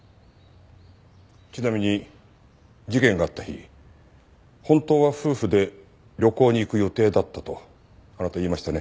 ちなみに事件があった日本当は夫婦で旅行に行く予定だったとあなた言いましたね？